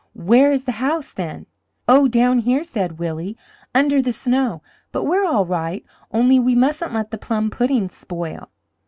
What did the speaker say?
"Where is the house, then?" "Oh, down here!" said Willie, "under the snow; but we're all right, only we mustn't let the plum pudding spoil."